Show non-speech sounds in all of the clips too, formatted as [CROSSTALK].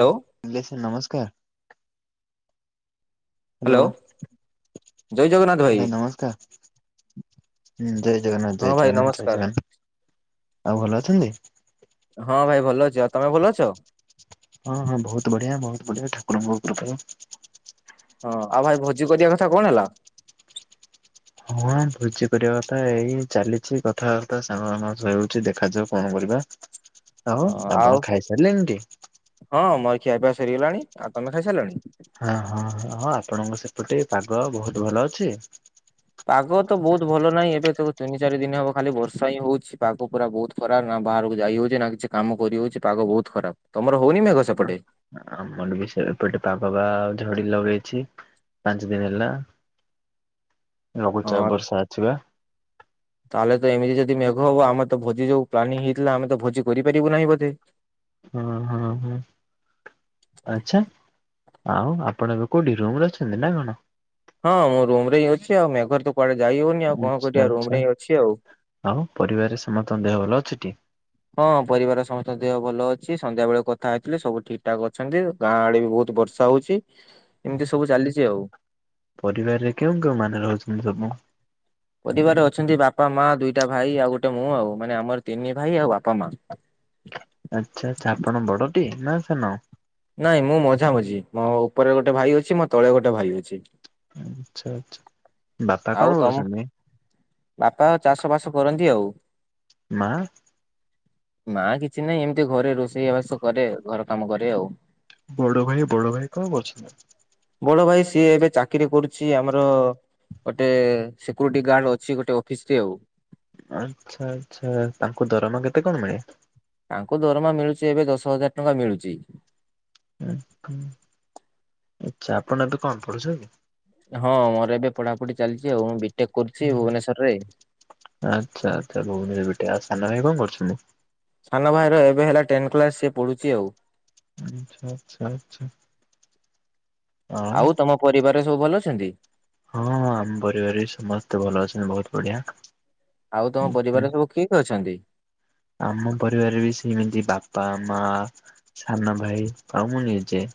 Hello. ଆଜ୍ଞା sir ନମସ୍କାର। Hello ଜୟ ଜଗନ୍ନାଥ ଭାଇ। ନମସ୍କାର। ହଁ ଜୟ ଜଗନ୍ନାଥ ହଁ ଜୟ ଭାଇ ଜଗନ୍ନାଥ ଜୟ ନମସ୍କାର ଜଗନ୍ନାଥ ଆଉ ଭଲ ଅଛନ୍ତି? ହଁ ଭାଇ ଭଲ ଅଛି, ଆଉ ତମେ ଭଲ ଅଛ? ହଁ ହଁ ବହୁତ ବଢିଆ ବହୁତ ବଢିଆ ଠାକୁରଙ୍କ କୃପାରୁ। ହଁ ଆଉ ଭାଇ ଭୋଜି କରିବା କଥା କଣ ହେଲା? ହଁ ଭୋଜି କରିବା କଥା ଏଇ ଚାଲିଛି କଥାବାର୍ତ୍ତା ସାଙ୍ଗମାନଙ୍କ ସହ ହେଉଛି ଦେଖାଯାଉ କଣ କରିବା। ଆଉ ଆପଣ ଖାଇସାରିଲେ ଟି? ହଁ ମୋର ଖିଆ ପିଆ ସରିଗଲାଣି, ଆଉ ତମେ ଖାଇସାରିଲାଣି? ହଁ ହଁ ହଁଁ ଆପଣଙ୍କ ସେପଟେ ପାଗ ବହୁତ ଭଲ ଅଛି। ପାଗ ତ ବହୁତ ଭଲ ନାହିଁ ଏବେ ତ ତିନି ଚାରି ଦିନ ହବ ଖାଲି ବର୍ଷା ହିଁ ହଉଛି ପାଗ ପୁରା ବହୁତ ଖରା ନା ବାହାରକୁ ଯାଇ ହଉଛି ନା କିଛି କାମ କରିହଉଛି ପାଗ ବହୁତ ଖରାପ ତମର ହଉନି ମେଘ ସେପଟେ? ଆମର ବି ସେ ଏପଟେ ପାଗ ବା ଝଡି ଲଗେଇଛି ପାଞ୍ଚ ଦିନ ହେଲା। ଲଘୁଚାପ ହଁ ବର୍ଷା ଅଛି ବା। ତାହେଲେ ତ ଏମିତି ଯଦି ମେଘ ହବ ଆମେ ତ ଭୋଜି ଯୋଉ ପ୍ଲାନିଂ ହେଇଥିଲାଆମେ ତ ଭୋଜି କରିପାରିବୁ ନାହିଁ ବୋଧେ। ହଁ ହଁ ହୁଁ। ଆଛା, ଆଉ ଆପଣ ଏବେ କୋଉଠି ରୁମରେ ଅଛନ୍ତି ନା କଣ? ହଁ ମୁଁ ରୁମ ରେହି ଅଛିଆଉ ମେଘର ତ କୁଆଡେ ଯାଇ ହଉନି ଆଉ କଣ ଆଚ୍ଛା କରିବା ଆଉ ଆଚ୍ଛା ରୁମ ହିଁ ଅଛି ଆଉ। ଆଉ ପରିବାରରେ ସମସ୍ତଙ୍କ ଦେହ ଭଲ ଅଛି ଟି? ହଁ ପରିବାର ସମସ୍ତଙ୍କ ଦେହ ଭଲ ଅଛି, ସନ୍ଧ୍ୟା ବେଳେ କଥା ହେଇଥିଲେ ସବୁ ଠିକ ଠାକ ଅଛନ୍ତି। ଗାଁ ଆଡେ ବି ବହୁତ ବର୍ଷା ହଉଛି। [INAUDIBLE] ଏମିତି ସବୁ ଚାଲିଛି ଆଉ। ପରିବାରରେ କେଉଁ କେଉଁ ମାନେ ରହୁଛନ୍ତି ସବୁ? ପରିବାର ଅଛନ୍ତି ବାପା ମା ଦିଇଟା ଭାଇ ଆଉ ଗୋଟେ ମୁଁ ଆଉ ମାନେ ଆମର ତିନି ଭାଇ ଆଉ ବାପା ମା। ଆଚ୍ଛା ଆଛା, ଆପଣ ବଡଟି ନା ସାନ? ନାଇଁ ମୁଁ ମଝାମଝି ମୋ ଉପରେ ଗୋଟେ ଭାଇ ଅଛି ମୋ ତଳେ ଗୋଟେ ଭାଇ ଅଛି। ଆଛା ଆଛା, ବାପା ଆଉ କଣ ତମ କରୁଛନ୍ତି? ବାପା ଚାଷ ବାସ କରନ୍ତି ଆଉ। ମା ମା କିଛି ନାହିଁ ଏମିତି ଘରେ ରୋଷେଇ ବାସ କରେ ଘର କାମ କରେ ଆଉ। ବଡ ଭାଇ ବଡ ଭାଇ କଁ କରୁଛନ୍ତି? ବଡ ଭାଇ ସିଏ ଏବେ ଚାକିରି କରୁଛି ଆମର ଗୋଟେ ସିକ୍ୟୁରିଟି ଗାର୍ଡ ଅ ଛି, ଗୋଟେ ଅଫିସ ରେ ଆଉ। ଆଛା ଆଛା ତାଙ୍କୁ ଦରମା କେତେ କଣ ମିଳେ? ତାଙ୍କୁ ଦରମା ମିଳୁଛି ଏବେ ଦଶ ହଜାର ଟଙ୍କା ମିଳୁଛି। [INAUDIBLE] ଆଛା ଆପଣ ଏବେ କଣ ପଢୁଛନ୍ତି। ହଁ ମୋର ଏବେ ପଢାପଢି ଚାଲିଚି ଆଉ ମୁଁ ବି ଟେକ୍ କରୁଚି ଭୁବନେଶ୍ୱର ରେ। ଆଚ୍ଛା ଆଚ୍ଛା ଭୁବନେ ଭେଟେ ଆଉ ସାନ ଭାଇ କଣ କରୁଛନ୍ତି। ସାନ ଭାଇର ଏବେ ହେଲା ଟେନ କ୍ଲାସ ସେ ପଡୁଚି ଆଉ। ଆଛା ଆଛା ଆଛା ଆ ଆଉ ତମ ପରିବାରରେ ସବୁ ଭଲ ଅଛନ୍ତି? ହଁ ହଁ ଆମ ପରିବାରରେ ବି ସମସ୍ତେ ଭଲ ଅଛନ୍ତି ବହୁତ ବଢିଆ। ଆଉ ତମ ପରିବାର ସବୁ କିଏ କିଏ ଅଛନ୍ତି? ଆମ ପରିବାରରେ ବି ସେମିତି ବାପା, ମା ସାନ ଭାଇ ଆଉ ମୁଁ ନିଜେ।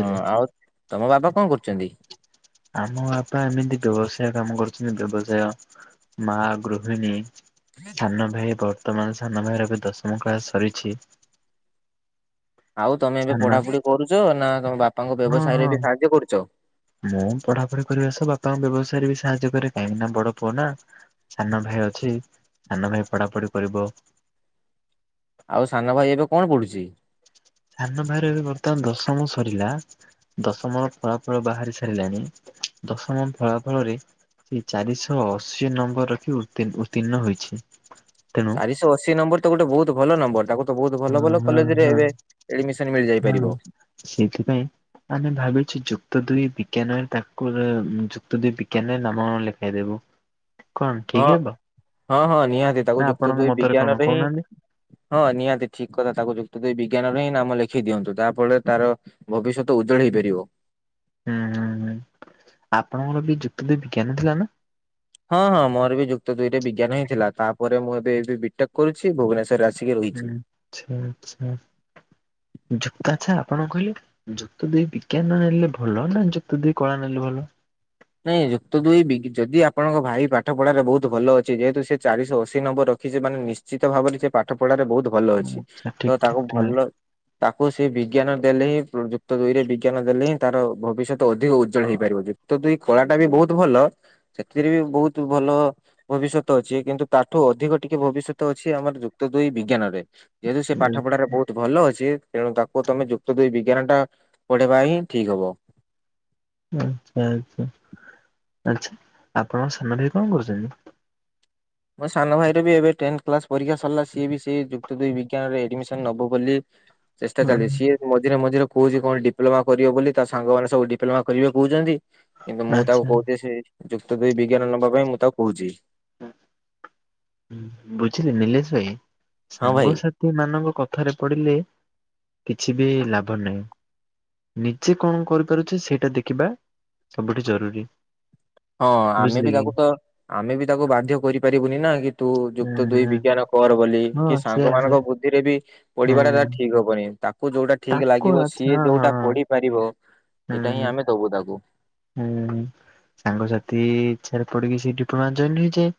ହଁ ଆଉ ତମ ବାବା କଣ କରୁଚନ୍ତି? ଆମ ବାପା ଏମିତି ବ୍ୟବସାୟ କାମ କରୁଚନ୍ତି। ବ୍ୟବସାୟ ମା ଗୃହିଣୀ। ସାନ ଭାଇ ବର୍ତ୍ତମାନ ସାନ ଭାଇର ଏବେ ଦଶମ କ୍ଳାସ ସରିଛି। ଆଉ ତମେ ଏବେ ସାନ ପଢାପଢି କରୁଚ ନା ତମ ବାପାଙ୍କ ହଁ ବ୍ୟବସାୟ ରେ ହଁ ବି ସାହାଯ୍ୟ କରୁଚ? ମୁଁ ପଢାପଢି କରିବା ସହ ବାପାଙ୍କ ବ୍ୟବସାୟରେ ବି ସାହାଯ୍ୟ କରେ କାହିଁକି ନା ବଡ ପୁଅ ନା। ସାନ ଭାଇ ଅଛି ସାନ ଭାଇ ପଢାପଢି କରିବ। ଆଉ ସାନ ଭାଇ ଏବେ କଣ ପଢୁଛି? ସାନ ଭାଇର ଏବେ ବର୍ତ୍ତମାନ ଦଶମ ସରିଲା। ଦଶମ ଫଳାଫଳ ବାହାରି ସାରିଲାଣି। ଦଶମ ଫଳାଫଳରେ ସେ ଚାରିଶହ ଅଶୀ ନମ୍ବର ରଖି ଉତ୍ତୀ ଉତ୍ତୀର୍ଣ୍ଣ ହୋଇଛି। ତେଣୁ ଚାରିଶହ ଅଶୀ ନମ୍ବର ତ ଗୋଟେ ବହୁତ ଭଲ ନମ୍ବର। ତାକୁ ତ ବହୁତ ଭଲ ଭଲ ହଁ କଲେଜ ରେ ହଁ ଏବେ ଏଡମିସନ ମିଳିଯାଇ ହଁ ପାରିବ। ସେଇଥିପାଇଁ ଆମେ ଭାବିଛୁ ଯୁକ୍ତ ଦୁଇ ବିଜ୍ଞାନରେ ତାକୁ ଉ ଯୁକ୍ତ ଦୁଇ ବିଜ୍ଞାନ ନାମ ଲେ ଦେଇଦେବୁ କଣ ହଁ ଠିକ ହେବ? ହଁ ହଁ ନିହାତି ନା ତାକୁ ଯୁକ୍ତ ଆପଣଙ୍କ ଦୁଇ ମତରେ କଣ ବିଜ୍ଞାନରେ ହିଁ କହୁନାହାନ୍ତି? ହଁ ନିହାତି ଠିକ କଥା ତାକୁ ଯୁକ୍ତ ଦେଇ ବିଜ୍ଞାନରେ ହିଁ ନାମ ଲେଖେଇ ଦିଅନ୍ତୁ ତା ଫଳରେ ତାର ଭବିଷ୍ୟତ ଉଜ୍ଜଳ ହେଇ ପାରିବ। ହୁଁ ହୁଁ ହୁଁ। ଆପଣଙ୍କର ବି ଯୁକ୍ତ ଦୁଇ ବିଜ୍ଞାନ ଥିଲା ନା? ହଁ ହଁ ମୋର ବି ଯୁକ୍ତ ଦୁଇରେ ବିଜ୍ଞାନ ହିଁ ଥିଲା। ତାପରେ ମୁଁ ଏବେ ଏବେ ବି ଟେକ୍ କରୁଛି ଭୁବନେଶ୍ୱରରେ ଆସି ହୁଁ ଆଚ୍ଛା ଆଚ୍ଛା। ଯୁକ୍ତ ଆଛା ଆପଣ କହିଲେ? ଯୁକ୍ତ ଦୁଇ ବିଜ୍ଞାନ ନେଲେ ଭଲ ନା ଯୁକ୍ତ ଦୁଇ କଳା ନେଲେ ଭଲ? ନାଇଁ ଯୁକ୍ତ ଦୁଇ ବି ଯଦି ଆପଣଙ୍କ ଭାଇ ପାଠ ପଢାରେ ବହୁତ ଭଲ ଅଛି ଯେହେତୁ ସେ ଚାରିଶହ ଅଶୀ ନମ୍ବର ରଖିଛି ମାନେ ନିଶ୍ଚି ଶ୍ଚିତ ଭାବରେ ସେ ପାଠ ପଢାରେ ବହୁତ ଭଲ ଅଛି। ଆଚ୍ଛା ଠିକ ତ ଠିକ ତାକୁ ଠିକ ଭଲ ତାକୁ ସେ ବିଜ୍ଞାନ ଦେଲେ ହିଁ ପ୍ର ଯୁକ୍ତ ଦୁଇରେ ବିଜ୍ଞାନ ଦେଲେ ହିଁ ତାର ଭବିଷ୍ୟତ ଅଧିକ ଉ ଉଜ୍ଜଳ ହେଇପାରିବ। ଯୁକ୍ତ ଦୁଇ କଳାଟା ବି ବହୁତ ଭଲ ସେଥିରେ ବି ବହୁତ ଭଲ ଭବିଷ୍ୟତ ଅଛି କିନ୍ତୁ ତାଠୁ ଅଧିକ ଟିକେ ଭବିଷ୍ୟତ ଅଛି ଆମର ଯୁକ୍ତ ଦୁଇ ବିଜ୍ଞାନରେ। ଯେହେତୁ ସେ ପାଠ ପଢାରେ ବହୁତ ଭଲ ଅଛି ତେଣୁ ତାକୁ ତମେ ଯୁକ୍ତ ଦୁଇ ବିଜ୍ଞାନ ଟା ପଢେଇବା ହିଁ ଠିକ ହବ। ଆଚ୍ଛା ଆଚ୍ଛା। ଆଚ୍ଛା ଆପଣଙ୍କ ସାନ ଭାଇ କଣ କରୁଚନ୍ତି? ମୋ ସାନ ଭାଇର ବି ଏବେ ଟେନ୍ଥ କ୍ଲାସ ପରୀକ୍ଷା ସରିଲା ସିଏବି ସେଇ ଯୁକ୍ତ ଦୁଇ ବିଜ୍ଞାନରେ ଏଡମିସନ ନବ ବୋଲି [INAUDIBLE] ଚେଷ୍ଟା ଉଁ ଚାଲିଛି। ମଝିରେ ମଝିରେ କହୁଛି କଣ ଡିପ୍ଲୋମା କରିବ ବୋଲି ତା ସାଙ୍ଗ ମାନେ ସବୁ ଡିପ୍ଲୋମା କରିବେ କହୁଛନ୍ତି। କିନ୍ତୁ ମୁଁ ତାକୁ ଆଚ୍ଛା କହୁଛି ସେ ଯୁକ୍ତ ଦୁଇ ବିଜ୍ଞାନ ନବା ପାଇଁ ମୁଁ ତାକୁ କହୁଛି। ବୁଝିଲେ ନିଲେଶ ଭାଇ ହଁ ଭାଇ ସାଙ୍ଗସା ଥି ମାନଙ୍କ କଥାରେ ପଡିଲେ କିଛି ବି ଲାଭ ନାହିଁ। ନିଜେ କଣ କରିପାରୁଛେ ସେଇଟା ଦେଖିବା ସବୁଠି ଜରୁରୀ। ହଁ ଆମେ ବୁଝିଲେ ବି କି ତାକୁ ତ ଆମେ ବି ତାକୁ ବାଧ୍ୟ କରିପାରିବୁନି ନା କି ତୁ ଯୁକ୍ତ ଦୁଇ ହୁଁ ବିଜ୍ଞାନ କର ବୋଲି ହଁ କି ସେଆ ସାଙ୍ଗ ସେଆ ମାନଙ୍କ ବୁଦ୍ଧିରେ ବି ପଡିବାଟା ହୁଁ ତାର ଠିକ୍ ହେବନି ତାକୁ ଯଉଟା ଠିକ ତାକୁ ଲାଗିବ ଆଚ୍ଛା ସିଏ ହଁ ଯଉଟା ପଢ଼ି ପାରିବ ହଁ ହଁ ହୁଁ ସେଇଟା ହିଁ ଆମେ ଦବୁ ତାକୁ। ହୁଁ ସାଙ୍ଗସାଥି ଇଚ୍ଛାରେ ପଡିକି ସେଇ ଡିପ୍ଲୋମା ଜଏନ୍ ହେଇଯାଏ।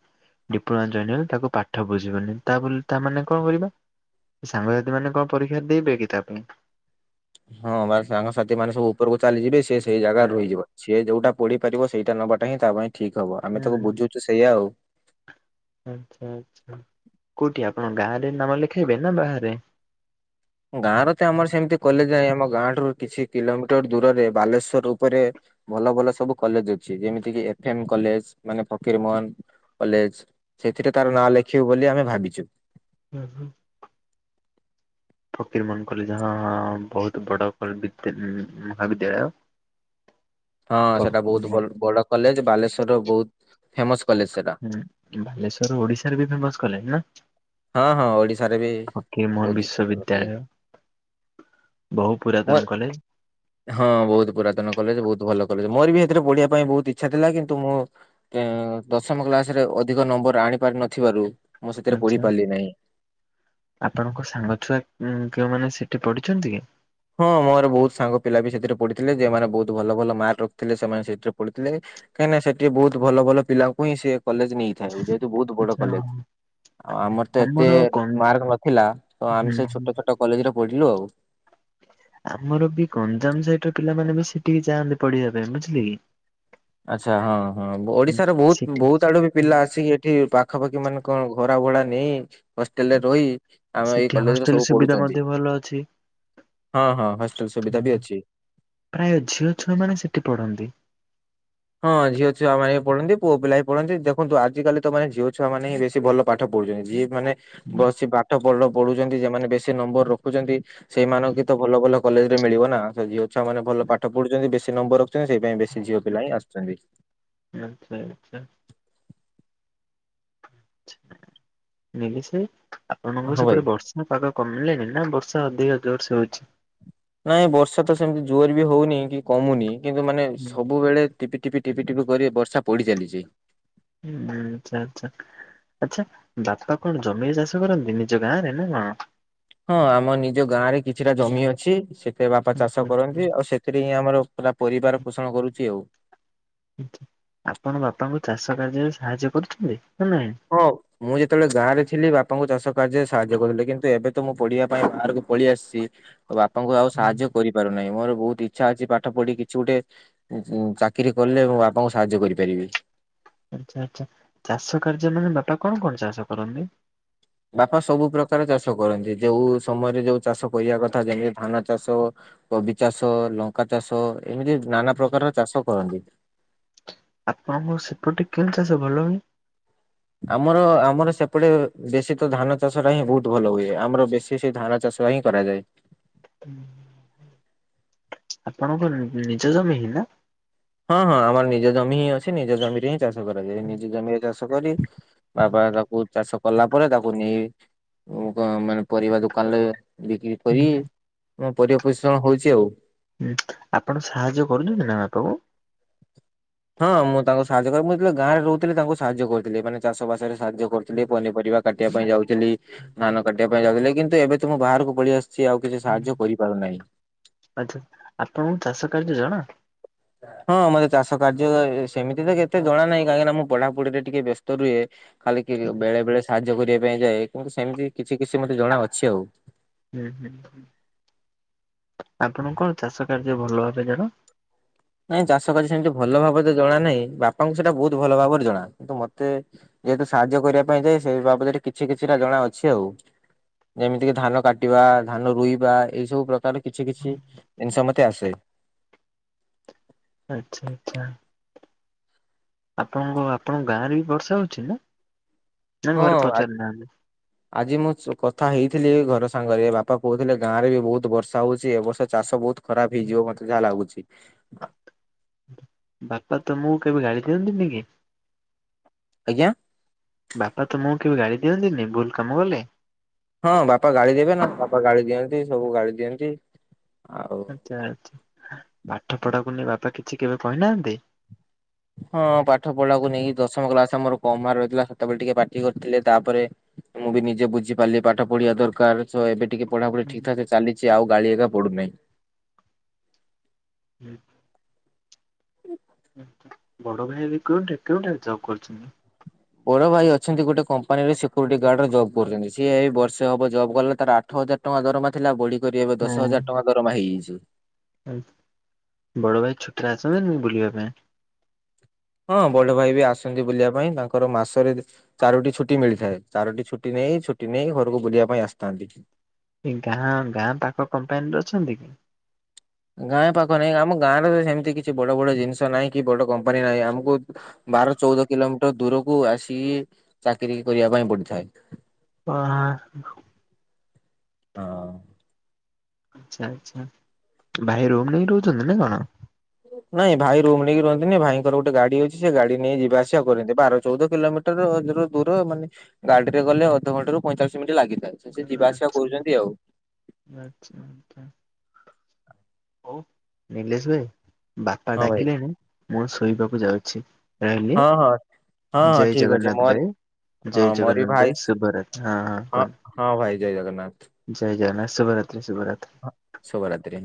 ଡିପ୍ଲୋମା ଜଏନ୍ ହେଲେ ତାକୁ ପାଠ ବୁଝିବନି ତାବୋଲି ତାମାନେ କଣ କରିବା? ସାଙ୍ଗସାଥୀ ମାନେ କଣ ପରୀକ୍ଷା ଦେଇବେ କି ତା ପାଇଁ? ହଁ ପା ସାଙ୍ଗସାଥି ମାନେ ସବୁ ଉପରକୁ ଚାଲିଯିବେ ସେ ସେଇ ଜାଗାରେ ହୁଁ ରୁହିଯିବ। ସିଏ ଯୋଉଟା ପଢି ପାରିବ ସେଇଟା ନବାଟାହିଁ ତା ପାଇଁ ଠିକ ହବ ଆମେ ତାକୁ ହୁଁ ବୁଝୁଛୁ ସେଇଆ ଆଉ। ଆଚ୍ଛା ଆଚ୍ଛା କୋଉଠି ଆପଣ ଗାଁ ରେ ନାମ ଲେଖେଇବେ ନା ବାହାରେ? ଗାଁ ରେ ତ ଆମର ସେମିତି କଲେଜ ନାହିଁ ଆମ ଗାଁ ଠାରୁ କିଛି କିଲୋମିଟର ଦୂରରେ ବାଲେଶ୍ଵର ଉପରେ ଭଲ ଭଲ ସବୁ କଲେଜ ଅଛି ଯେମିତି କି ଏଫ ଏମ କଲେଜ ମାନେ ଫକୀର ମୋହନ କଲେଜ। ସେଥିରେ ତାର ନାଁ ଲେଖିବୁ ବୋଲି ଆମେ ଭାବିଛୁ। ହୁଁ ହୁଁ ଫକୀରମୋହନ କଲେଜ ହ ହ ହ ବହୁତ ବଡ଼ କଲ୍ ମହାବିଦ୍ୟାଳୟ। ହଁ ସେଟା ବହୁତ ବ ଫକୀରମୋହନ ବଡ କଲେଜ ବାଲେଶ୍ଵରର ବହୁତ ଫେମସ କଲେଜ ସେଟା। ବାଲେଶ୍ୱରର ଓଡିଶାରେ ବି ଫେମସ କଲେଜ ନା? ହଁ ହଁ ଓଡିଶାରେ ବି ଫକିରମୋହନ ବହୁତ ଭଲ କଲେଜ। ବିଶ୍ୱବିଦ୍ୟାଳୟ। ବହୁ ମୋ ପୁରାତନ କଲେଜ। ହଁ ବହୁତ ପୁରାତନ କଲେଜ ବହୁତ ଭଲ କଲେଜ ମୋର ବି ଏଥିରେ ପଢିବା ପାଇଁ ବହୁତ ଇଚ୍ଛା ଥିଲା କିନ୍ତୁ ମୁଁ ଏଁ ଦଶମ କ୍ଲାସରେ ଅଧିକ ନମ୍ବର ଆଣି ପାରି ନଥିବାରୁ ମୁଁ ସେଥିରେ ଆଚ୍ଛା ପଢିପାରିଲି ନାହିଁ। ଆପଣଙ୍କ ସାଙ୍ଗ ଛୁଆ କେଉଁମାନେ ସେଠି ପଢିଛନ୍ତି କି? ହଁ ମୋର ବହୁତ ସାଙ୍ଗ ପିଲା ବି ସେଥିରେ ପଢ଼ିଥିଲେ ଯେଉଁମାନେ ବହୁତ ଭଲ ଭଲ ମାର୍କ ରଖିଥିଲେ ସେମାନେ ସେଥିରେ ପଢିଥିଲେ। କାହିଁକିନା ସେଠି ବହୁତ ଭଲ ଭଲ ପିଲାଙ୍କୁ ହିଁ ସେ କଲେଜ ନେଇଥାଏ ଯେହେତୁ ବହୁତ ବଡ ଆଚ୍ଛା କଲେଜ। ଆଉ ଆମର ତ ଏତେ ମାର୍କ ନଥିଲା ତ ହୁଁ ଆମେ ସେ ହୁଁ ଛୋଟ ଛୋଟ କଲେଜରେ ପଢିଲୁ ଆଉ। ଆମର ବି ଗଞ୍ଜାମ ସହିତର ପିଲାମାନେ ବି ସେଠିକି ଯାଆନ୍ତି ପଢିବା ପାଇଁ ବୁଝିଲେକି। ଆଛା ହଁ ହଁ ଓଡିଶାର ବହୁତ ସେଠି ବହୁତ ଆଡୁ ବି ପିଲା ଆସିକି ଏଠି ପା ପାଖାପାଖି ମାନେ କଣ ଘରା ଭଡ଼ା ନେଇ ହଷ୍ଟେଲରେ ରହି ଆମ ଏଇ ସେଠି କଲେଜରେ ହଷ୍ଟେଲ ସବୁ ସୁବିଧା ପଢୁଛନ୍ତି। ମଧ୍ୟ ଭଲ ଅଛି। ହଁ ହଁ ହଷ୍ଟେଲ ସୁବିଧା ବି ଅଛି। ପ୍ରାୟ ଝିଅ ଛୁଆମାନେ ସେଠି ପଢନ୍ତି। ହଁ ଝିଅ ଛୁଆମାନେ ବି ପଢନ୍ତି ପୁଅ ପିଲା ବି ପଢନ୍ତି ଦେଖନ୍ତୁ ଆଜିକାଲି ତ ମାନେ ଝିଅଛୁଆ ମାନେ ହିଁ ବେଶି ଭଲ ପାଠ ପଢୁଛନ୍ତି ଯିଏ ମାନେ ବସି ପାଠ ଭଲ ପଢୁଛନ୍ତି ଯେଉମାନେ ବେଶି ନମ୍ବର ରଖୁଛନ୍ତି ସେଇମାନଙ୍କୁ ହି ତ ଭଲ ଭଲ କଲେଜରେ ମିିଳିବନା ସେ ଝିଅ ଛୁଆ ମାନେ ବେଶି ଭଲ ପାଠଢୁଛନ୍ତି ବେଶି ନମ୍ବର ରଖୁଛନ୍ତି ସେଇ ପାଇଁ ବେଶି ଝିଅପିଲା ହିଁ ଆସୁ ଛନ୍ତି ଆଚ୍ଛା ଆଚ୍ଛା ନେଲି ସେ ଆପଣଙ୍କର ହଁ ଭାଇ। ସେପଟେ ବର୍ଷା ପାଗ କମିକାନି ନା ବର୍ଷା ଅଧିକ ଜୋରସେ ହଉଛି? ନାଇଁ ବର୍ଷା ତ ସେମିତି ଜୋରେ ବି ହଉନି କି କମୁନି କିନ୍ତୁ ମାନେ ହୁଁ ସବୁବେଳେ ଟିପି ଟିପି ଟିପି ଟିପି କରି ବର୍ଷା ପଡ଼ି ଚାଲିଛି। ହୁଁ ଆଛା ଆଚ୍ଛା! ଆଚ୍ଛା ବାପା କଣ ଜମିରେ ଚାଷ କରନ୍ତି ନିଜ ଗାଁରେ ନା କଣ? ହଁ ଆମ ନିଜ ଗାଁ ରେ କିଛିଟା ଜମି ଅଛି ସେଥିରେ ବାପା ଚାଷ କରନ୍ତି ଆଉ ସେଥିରେ ହିଁ ଆମର ପୁରା ପରିବାର ପୋଷଣ କରୁଛି ଆଉ। ଆପଣ ବାପାଙ୍କୁ ଚାଷ କାର୍ଯ୍ୟରେ ସାହାଯ୍ୟ କରୁଛନ୍ତି ନା ନାଇଁ? ହଁ। ମୁଁ ଯେତେବେଳେ ଗାଁରେ ଥିଲି ବାପାଙ୍କୁ ଚାଷ କାର୍ଯ୍ୟରେ ସାହାଯ୍ୟ କରୁଥିଲି। କିନ୍ତୁ ଏବେ ତ ମୁଁ ପଢିବା ପାଇଁ ବାହାରକୁ ପଳେଇ ଆସିଛି। ବାପାଙ୍କୁ ଆଉ ସାହାଯ୍ୟ କରିପାରୁନାହିଁ ମୋର ବହୁତ ଇଚ୍ଛା ଅଛି ପାଠ ପଢି କିଛି ଗୋଟେ ଚାକିରି କଲେ ମୋ ବାପାଙ୍କୁ ସାହାଯ୍ୟ କରିପାରିବି। ଆଛା ଆଚ୍ଛା ଚାଷ କାର୍ଯ୍ୟ ମାନେ ବାପା କଣ କଣ ଚାଷ କରନ୍ତି? ବାପା ସବୁ ପ୍ରକାର ଚାଷ କରନ୍ତି। ଯୋଉ ସମୟରେ ଯୋଉ ଚାଷ କରିବା କଥା ଯେମିତି ଧାନ ଚାଷ କବି ଚାଷ, ଲଙ୍କା ଚାଷ ଏମିତି ନାନା ପ୍ରକାରର ଚାଷ କରନ୍ତି। ଆପଣଙ୍କ ସେପଟେ କେଲ ଚାଷ ଭଲ ହୁଏ? ଆମର ଆମର ସେପଟେ ବେଶୀ ତ ଧାନ ଚାଷ ଟା ହିଁ ବହୁତ ଭଲ ହୁଏ ଆମର ବେଶୀ ସେ ସେ ଧାନ ଚାଷ ହିଁ କରାଯାଏ। ହୁଁ ଆପଣଙ୍କ ନିଜ ଜମି ହିଁ ନା? ହଁ ହଁ ଆମର ନିଜ ଜମି ହିଁ ଅଛି। ନିଜ ଜମିରେ ହିଁ ଚାଷ କରାଯାଏ। ନିଜ ଜମିରେ ଚାଷ କରି ବାବା ହେକା ବହୁତ୍ ଚାଷ କଲା ପରେ ତାକୁ ନେଇ ମାନେ ପରିବା ଦୋକାନରେ ବିକ୍ରି କରି ମୁଁ ପରିବା ପୋଷଣ ହଉଛି ଆଉ। ଆପଣ ସାହାଯ୍ୟ କରୁଛନ୍ତି ନା ବାପାଙ୍କୁ? ହଁ! ମୁଁ ତାଙ୍କୁ ସାହାଯ୍ୟ କିରିବି, ମୁଁ କେତେବେଳେ ଗାଁରେ ରହୁଥିଲି ତାଙ୍କୁ ସାହାଯ୍ୟ କରୁଥିଲି। ମାନେ ଚାଷ ବାସରେ ସାହାଯ୍ୟ କରୁଥିଲି, ପନିପରିବା କାଟିବା ପାଇଁ ଯାଉଥିଲି। ଧାନ କାଟିବା ପାଇଁ ଯାଉଥିଲି, କିନ୍ତୁ ଏବେ ତ ମୁଁ ବାହାରକୁ ପଳେଇ ଆସିଛି ଆଉ। କିଛି ହୁଁ ସାହାଯ୍ୟ କରିପାରୁନାହିଁ। ଆଚ୍ଛା! ଆପଣଙ୍କୁ ଚାଷ କାର୍ଯ୍ୟ ଜଣା? ହଁ, ମତେ ଚାଷ କାର୍ଯ୍ୟ ସେମିତି ତ କେତେ ଜଣା ନାହିଁ, କାହିଁକି ନା ମୁଁ ପଢାପଢିରେ ଟିକେ ବ୍ୟସ୍ତ ରୁହେ। ଖାଲି କିଣିବ, ବେଳେ-ବେଳେ ସାହାଯ୍ୟ କରିବା ପାଇଁ ଯାଏ, କିନ୍ତୁ ସେମିତି କିଛି-କିଛି ମତେ ଜଣା ଅଛି ଆଉ। ହୁଁ-ହୁଁ! ଆପଣଙ୍କୁ କଣ ଚାଷ କାର୍ଯ୍ୟ ଭଲ ଭାବେ ଜଣା? ନାଇଁ ଚାଷ କାଯ୍ୟ ସେମିତି ଭଲ ଭାବରେ ତ ଜଣା ନାହିଁ, ବାପାଙ୍କୁ ସେଟା ବହୁତ ଭଲ ଭାବରେ ଜଣା। କିନ୍ତୁ ମତେ ଯେହେତୁ ସାହାଯ୍ୟ କରିବା ପାଇଁ ଯାଏ, ସେଇ ବାବଦରେ କିଛି-କିଛିଟା ଜଣା ଅଛି ଆଉ। ଯେମିତି କି ଧାନ କାଟିବା, ଧାନ ରୋଇବା ଏଇ ସବୁ ପ୍ରକାର କିଛି-କିଛି ଜିନିଷ ମତେ ଆସେ। ଆଚ୍ଛା-ଆଚ୍ଛା! ଆପଣଙ୍କ ବାପା ଙ୍କୁ ଗାଁ ରେ ବି ବର୍ଷା ହଉଛି ନା? ନା ହଁ! ଘରେ ଆ ପଚାରି ନାହାନ୍ତି ଆଜି, ମୁଁ କଥା ହେଇଥିଲି ଘର ସାଙ୍ଗରେ। ବାପା କହୁଥିଲେ, ଗାଁରେ ବି ବହୁତ ବର୍ଷା ହଉଛି ଏ ବର୍ଷ ଚାଷ ବହୁତ ଖରାପ ହେଇଯିବ ମତେ ଯାହା ଲାଗୁଛି। ବାପା ତମକୁ କେବେ ଗାଳି କରନ୍ତିନି କି? ଆଜ୍ଞା? ବାପା ତମକୁ କେବେ ଗାଳି ଦିଅନ୍ତିନି ଭୁଲ କାମ କଲେ? ହଁ! ବାପା ଗାଳି ଦେବେ ନା, ବାପା ଗାଳି ଦିଅନ୍ତି, ସବୁ ଗାଳି ଦିଅନ୍ତି, ଆଉ ଆଚ୍ଛା ଆଚ୍ଛା! ପାଠ ପଢାକୁ ନେଇ ବାପା କିଛି କେବେ କହିନାହାନ୍ତି? ହଁ! ପାଠ ପଢାକୁ ନେଇକି ଦଶମ କ୍ଲାସ ଆମର କମ୍ ମାର୍କ ରହିଥିଲା, ସତେବେଳେ ଟିକେ ପାଟି କରିଥିଲେ। ତାପରେ ମୁଁ ବି ନିଜେ ବୁଝି ପାରିଲି ପାଠ ପଢିବା ଦରକାର। ତ ଏବେ ଟିକେ ପଢାପଢି ଠିକ୍-ଠାକ ଚାଲିଛି ଆଉ ଗାଳି ଏବେ ପଡୁନାହିଁ। ବଡ଼ ଭାଇ ଏବେ କେଉଁଠି କେଉଁଠାରେ ଜବ୍ କରୁଛନ୍ତି? ବଡ ଭାଇ ଅଛନ୍ତି ଗୋଟେ କମ୍ପାନୀରେ ସିକ୍ୟୁରିଟି ଗାର୍ଡରେ ଜବ୍ କରୁଛନ୍ତି। ସିଏ ଏ ବର୍ଷେ ହବ ଜବ୍ ଗଲେ ତାର ଆଠ ହଜାର ଟଙ୍କା ଦରମା ଥିଲା ବଢି କରି ଏବେ ଦଶ ହଜାର ହଁ ଟଙ୍କା ଦରମା ହେଇଯାଇଛି। ବଡ ଭାଇ ଛୁଟିରେ ଆସନ୍ତି ମୁଁ ବୁଲିବା ପାଇଁ ହଁ! ବଡ ଭାଇ ବି ଆସନ୍ତି ବୁଲିବା ପାଇଁ, ତାଙ୍କର ମାସରେ ଚାରୋଟି ଛୁଟି ମିଳିଥାଏ, ଚାରୋଟି ଛୁଟି ନେଇ-ଛୁଟି ନେଇ ଘରକୁ ବୁଲିବା ପାଇଁ ଆସିଥାନ୍ତି। ଖାଁ, ଗାଁ ପାଖ କମ୍ପାନୀର ଅଛନ୍ତି କି? ଗାଁ ପାଖ ନାଇଁ, ଆମ ଗାଁରେ ତ ସେମିତି କିଛି ବଡ-ବଡ ଜିନିଷ ନାହିଁ କି ବଡ କମ୍ପାନୀ ନାହିଁ, ଆମକୁ ବାର, ଚଉଦ କିଲୋମିଟର ଦୂରକୁ ଆସିକି ଚାକିର କରିବା ପାଇଁ ପଡିଥାଏ। ଓହା! ହଁ! ଆଛା-ଆଛା! ଭାଇ ରୁମ ନେଇକି ରହୁଛନ୍ତି ନା କଣ? ନାଇଁ! ଭାଇ ରୁମ ନେଇକି ରୁହନ୍ତିନି ଭାଇଙ୍କର ଗୋଟେ ଗାଡି ଅଛି ସେ ଗାଡି ନେଇ ଯିବା ଆସିବା କରନ୍ତି। ବାର, ଚଉଦ କିଲୋମିଟର ଦୂର ମାନେ ଗାଡିରେ ଗଲେ ଅଧଘଣ୍ଟ ରୁ ପଇଁଚାଳିଶ ମିନିଟ୍ ଲାଗିଥାଏ। ସେ ଯିବା ଆସିବା ଆଛା! କରୁଛନ୍ତି ଆଉ ଆଛା-ଆଛା! ହଉ, ନିଲେଶ ଭାଇ! ବାପା ହଁ ଭାଇ ଡାକିଲେଣି, ମୁଁ ଶୋଇବାକୁ ଯାଉଛି ରହିଲି। ହଁ ହଁ ହଁ ହଁ ଜୟ ଠିକ ଅଛି ମୋର ଜଗନ୍ନାଥଭାଇ! ହଁ ଜୟ ମୋର ବି ଜଗନ୍ନାଥ ଭାଇ! ସୁଭରତ, ହଁ-ହଁ ହଁ କହ ହଁ, ଭାଇ ଜୟ ଜଗନ୍ନାଥ! ଜୟ ଜଗନାଥ ଶୁଭ ରାତ୍ରି-ଶୁଭ ରାତ୍ରି! ଶୁଭ ରାତ୍ରି!